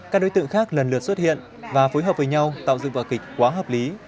các đối tượng khác lần lượt xuất hiện và phối hợp với nhau tạo dựng vở kịch quá hợp lý